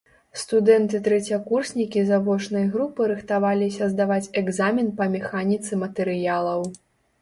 Студэнты-трэцякурснікі завочнай групы рыхтаваліся здаваць экзамен па механіцы матэрыялаў.